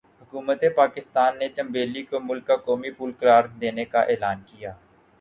حکومتِ پاکستان نے 'چنبیلی' کو ملک کا قومی پھول قرار دینے کا اعلان کیا۔